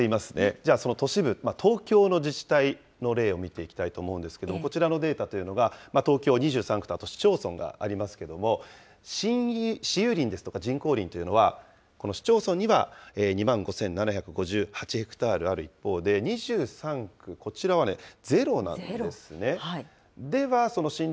じゃあ、その都市部、東京の自治体の例を見ていきたいと思うんですけれども、こちらのデータというのが、東京２３区と、あと市町村がありますけれども、私有林ですとか人工林というのは、この市町村には２万５７５８ヘクタールある一方で、２３区、こちらはね、ゼロなんですね。